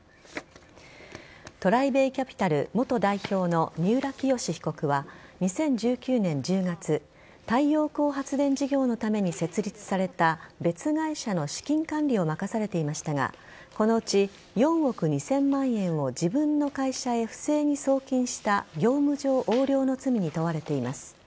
ＴＲＩＢＡＹＣＡＰＩＴＡＬ元代表の三浦清志被告は２０１９年１０月太陽光発電事業のために設立された別会社の資金管理を任されていましたがこのうち４億２０００万円を自分の会社へ不正に送金した業務上横領の罪に問われています。